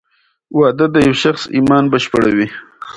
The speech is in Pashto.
واده د یو شخص ایمان بشپړوې.